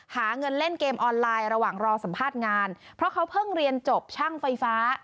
หาเงินเล่นเกมออนไลน์ระหว่างรอสัมภาษณ์งานเพราะเขาเพิ่งเรียนจบช่างไฟฟ้า